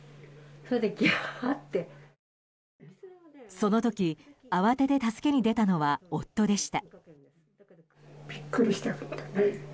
その時、慌てて助けに出たのは夫でした。